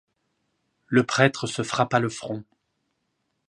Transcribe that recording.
Le prêtre se frappa le front.